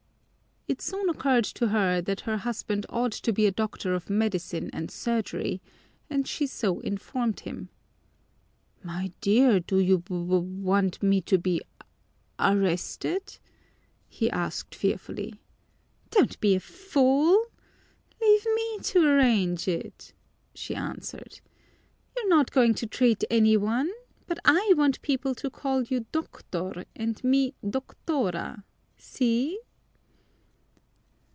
It soon occurred to her that her husband ought to be a doctor of medicine and surgery, and she so informed him. "My dear, do you w want me to be arrested?" he asked fearfully. "Don't be a fool! Leave me to arrange it," she answered. "You're not going to treat any one, but I want people to call you Doctor and me Doctora, see?"